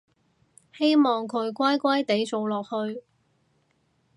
希望佢乖乖哋做落去